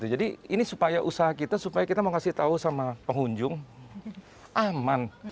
jadi ini supaya usaha kita supaya kita mau kasih tahu sama pengunjung aman